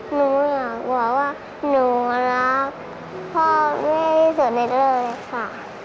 หนูอยากบอกว่าหนูรักพ่อแม่ที่สุดในเรื่องค่ะ